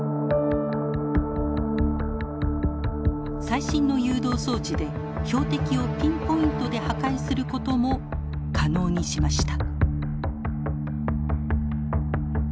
最新の誘導装置で標的をピンポイントで破壊することも可能にしました。